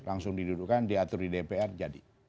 langsung didudukkan diatur di dpr jadi